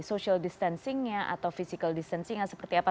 social distancing nya atau physical distancing nya seperti apa